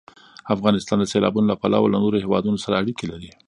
افغانستان د سیلابونو له پلوه له نورو هېوادونو سره اړیکې لري.